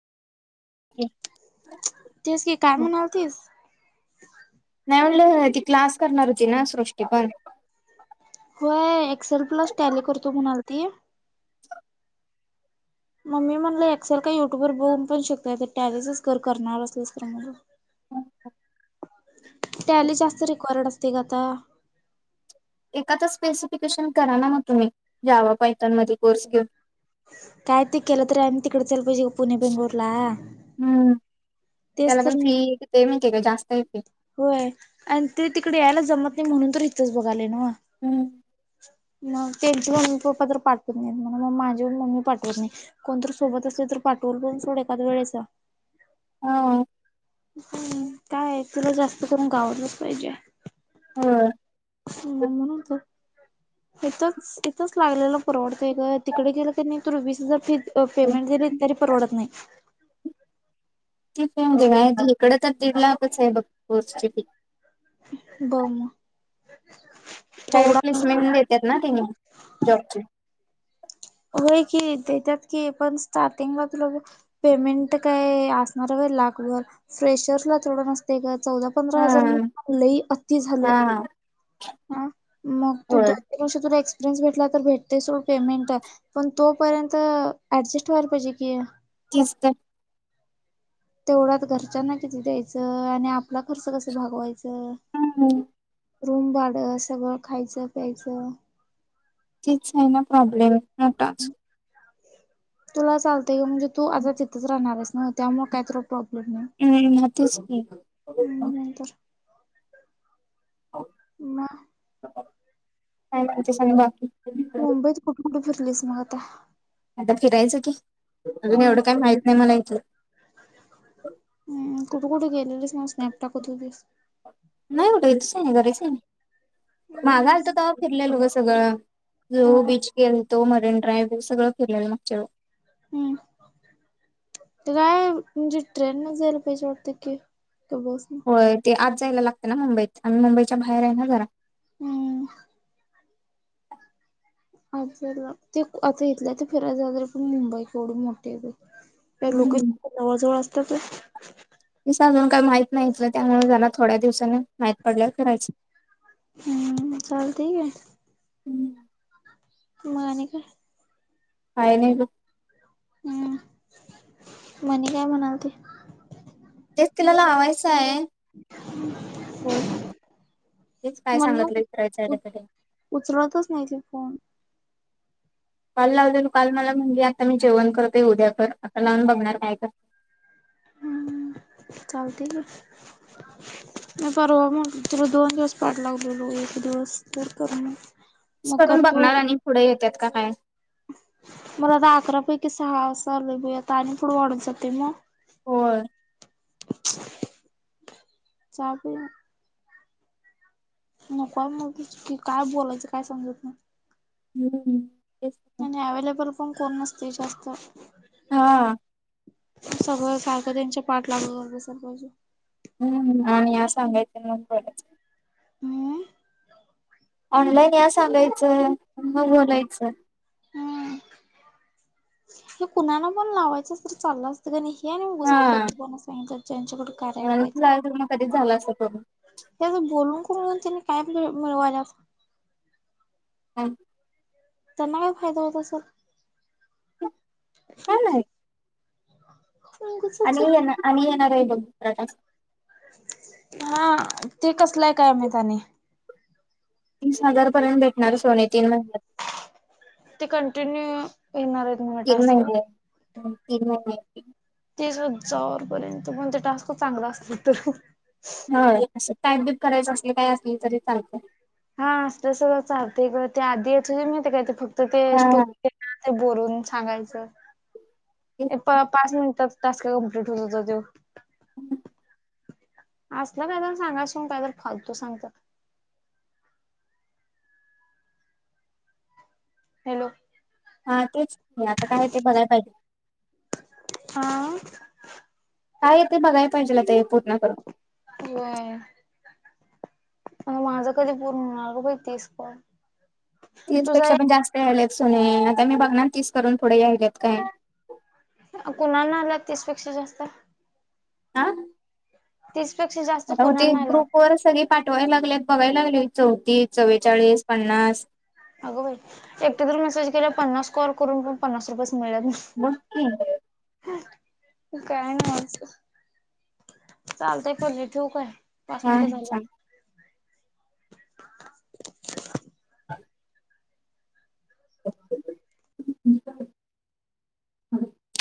नाही तेच की काय म्हणालतीस. म्हलं ती क्लास करणार होती ना सृष्टी पण होय एक्सेल प्लस टॅले करतो म्हणालती. हो. मम्मी म्हणलं एक्सेल का युट्यूब वर बघून पण शकता तर त्याॅजसच कर करणार असल्याच तर म्ह अच्छा. टॅली जास्त रेिकर्ड असतय ग आता एकातच स्पेसिफिकेशन करा ना मग तुम्ही जा्वा पाैथांमध्येच कोर्स घेऊन. काय ते केलं तरी आणि तिकडेच यायलाच पाहिजे पुणे बेंगलुरला हम्म तेच त्याला पण तर फी किती माहितीय का जास्त आहे फी होय, आणि ते तिकडे यायला जमत म्हणून तर इथेच बघालोय नव हम्म [inaudible] मग त्यांचे मम्मी- पप्पा तर पाठवत नाही म्हणून माझे मम्मी पाठवत नाही कोणतर सोबत असेल. तर पाठवोल पण सोडय एखाद्या वेळेस [unintelligible] हा. हम्म, काय तुला जास्त करून गावलंच पाहिजे. होय. म म्हणत. इथेच-इथेच लागलेला परवडतय गं तिकडे गेलं की तुला वीस हजार फी अं पेमेंट इतेरी परवडत नाही. [inaudible] इकड तर दीड लाखच आहे बघ पोस्ची पी [unintelligible] काय रे तेवढा प्लेसमेंट [inaudible] देतात ना तिने जॉबची हो कीे देतात की पण स्टार्टिंगला तुला [inaudible] पेमेंट काय असणार? लाखभर फ्रेशर ला थोडं नसते ग. चौदा पंधरा हा हजार मग लय आती झालं. हा हा, मग तू होय दोन- तीन वर्ष फेच भेटला तर भेटतय सोड पेमेंट पण तोपर्यंत ऍडजस्ट व्हायला पाहिजे कि तीसगत. तेवढ्यात घरच्यांना किती द्यायचं आणि आपला खर्च कसं भागवायचा? हम् [inaudible] रूम भाडे सगळं खायाचं प्यायचं. तीच आहे ना प्रॉब्लेम मोठाच. तुला चालतंय [inaudible] ग म्हणजे तू आता तिथंच राहणार आहेस ना त्यामुळे काय तुला प्रॉब्लेम ना.. [unintelligible] तस... म. ज सू बाकी... मुंबईत कुठे कुठे फिरलीस मग आता.. फिरायचं की, अजून हम्म एवढं काही माहित नाही मला इथ.. हम्म कुठे कुठे गेलेलीस. स्नॅप कतो दिस. मागा आलत तवा फिरलेलो ग सगळं जो हा बीच गेल. तो मरीन ड्राईव्ह सगळं केलेल मागच्या वेळेला. हम्म काय म्हणजे ट्रेन न जायला पाहिजे वाटत की! का बसन? होय ते आज जायला लागते ना मुंबईत आम्ही मुंबईच्या बाहेर आहे ना जरा. हम्म. आ ते आता इथल्या ते फिरायला जााते पण मुंबई एवढी मोठी. का लोक जवळ जवळ असतात. तेच अजून काही माहित नाहीित त्यामुळे जना थोड्या दिवसानी माहित पडल्या करायच. हम्म चालतंय कि. माने का. अयनक.. हम्म मणी काय म्हणालती? तेच तिलाला हवायचं आहे कोण? तेच काय मणी सांगतलं तर विच्याकडे.. उचलतच नाही ती फोन काल लावलेल काल मला म्हणजे आता मी जेवण करतोय उद्या कर आता लावून बघणार काय कर [inaudible] चालते कि नाही परवा मग तु दोन दिवस पाठ लागलेलो एक दिवस तर कर मग. मग करून करतो बघणार आणि पुढे येतात का काय. मला आता अकरा पैकी सहा अस आता आणि पुढं वाढत जाते मग. होय. चपूया.. नकोय म्ह क काय बोलायचं काय समजत नाही. हम... नाही अवेलेबल पण कोण नसते जास्त. हा. सगळं सारखं त्यांच्या पाठ लागू कर बसात पाजू. हम् आणि या सांगायच ब.. हम्म ऑनलाईन या सांगायचं मग बोलायचं.. हम्म हे कुणाला पण लावायचंच तर चाललं असतं का नाही. या नाही मगझं हा फलतूपण सांगित ज्यांच्याकड कराय पाहिज. मला तर मग कधीच झाला असत करून त्याच बोलून करून त्यानी काय मि मिळवायला अस. हां. त्यांना काय फायदा होत असर. ह नाही. उगचच आणि ये ना आणि येणार आहे बघरा. हा ते कसलंय काय मताने. तीस हजार पर्यंत भेटणार सोने तीन महिन्यात. ते कंटिन्यू येणार आहेत म्हण टास्क. ह ते.. ते सु जवरपर्यंत पण ते टास्क चांगला असत तर. ह कायप बी करायचं असल काय असल तरी चालत. हा अस सगळं चालत ग ते आधी नमाहीतेकाय ते फक्त ते स्टो हा. बोलून सांगायचं तेच अप पाच मिनटात. टास्क कमप्लीट तुझा त्यो. ह. आसल काय तर सांगा असुन काय तर फालतू सांगतात. हॅलो. हा तेच नाही आता काय ते बघाया पाहिजे. हा. काय येत बघाया पाहिजेल हे पूर्ण करून. होय. मण माझं कधी पूर्ण हो ग बाई तीस पण. तीस पेक्षा पण जास्त यायलेत सुने आता मी बघणार तीस करून पुडे यायलेत काय. कुणा नाही आला तीसपेक्षा जास्त. आ. तीस.. पेक्षा जास्त आता होते कुणाला आला ग्रुप वर सगळे पाठवायला लागले बघायला लागले.. चौतीस, चौरेचाळीस, पन्नास. अगं बाई एकटे तर मेसेज केला पन्नास कॉल करून पण पन्नास रुपयेच.... बघ की [inaudible] काय नाहीच, चालतय पली ठेउ काय. पाच हा मिनिटं झाल्यत. [inaudible] [inaudible]